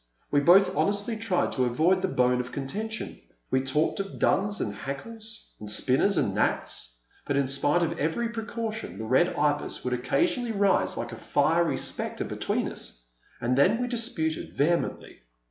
We both honestly tried to avoid this bone of contention. We talked of Duns and Hackles, and Spinners and Gnats, but in spite of every precaution the Red Ibis would occasionally rise like a fiery spectre between us, and then we disputed vehemently.